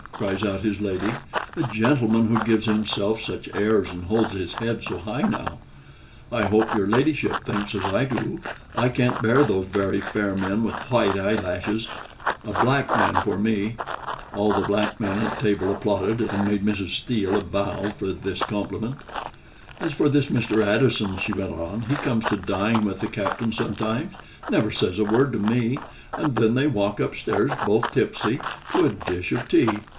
cries out his lady: "a gentleman who gives himself such airs and holds his head so high now. I hope your ladyship thinks as I do: I can't bear those very fair men with white eyelashes a black man for me." (All the black men at table applauded, and made Mrs. Steele a bow for this compliment.) "As for this Mr. Addison," she went on, "he comes to dine with the Captain sometimes, never says a word to me, and then they walk up stairs both tipsy, to a dish of tea.